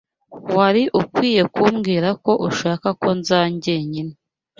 Wari ukwiye kumbwira ko ushaka ko nza jyenyine.